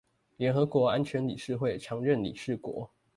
聯合國安全理事會常任理事國